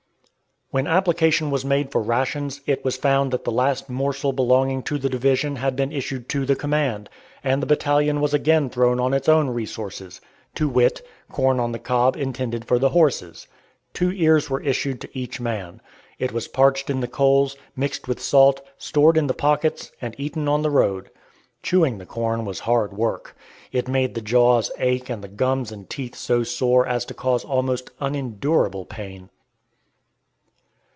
When application was made for rations, it was found that the last morsel belonging to the division had been issued to the command, and the battalion was again thrown on its own resources, to wit: corn on the cob intended for the horses. Two ears were issued to each man. It was parched in the coals, mixed with salt, stored in the pockets, and eaten on the road. Chewing the corn was hard work. It made the jaws ache and the gums and teeth so sore as to cause almost unendurable pain.